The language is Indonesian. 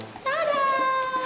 atau saya punya tadaaa